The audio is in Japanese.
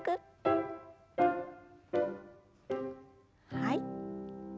はい。